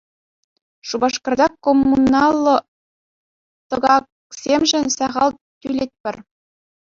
Шупашкарта коммуналлӑ тӑкаксемшӗн сахал тӳлетпӗр.